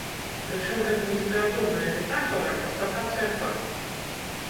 Прычым гэта не літаратурная метафара, а канстатацыя факту.